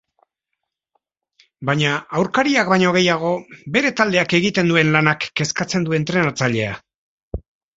Baina aurkariak baino gehiago bere taldeak egiten duen lanak kezkatzen du entrenatzailea.